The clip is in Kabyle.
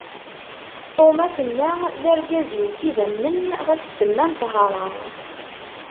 Feṭṭuma tenna: D argaz-iw s idammen ɣef ddemma n ṭṭhara.